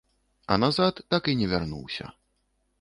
А назад так і не вярнуўся.